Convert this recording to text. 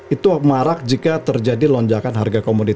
itu marak jika terjadi lonjakan harga komoditas